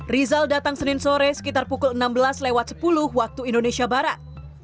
rizal datang senin sore sekitar pukul enam belas sepuluh waktu indonesia barat